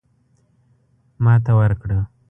ماته ورکړه.